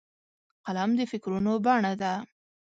قلم د فکرونو بڼه ده